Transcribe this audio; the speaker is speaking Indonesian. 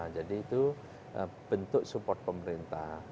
jadi itu bentuk support pemerintah